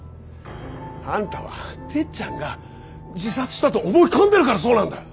あんたはてっちゃんが自殺したと思い込んでるからそうなんだ！